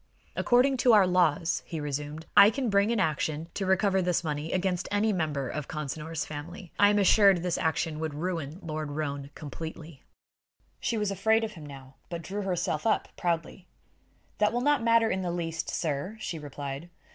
"According to our laws," he resumed, "I can bring an action to recover this money against any member of Consinor's family. I am assured such an action would ruin Lord Roane completely." She was afraid of him now, but drew herself up proudly. "That will not matter in the least, sir," she replied.